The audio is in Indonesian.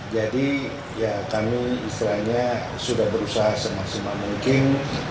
jadi kami sudah berusaha semaksimal mungkin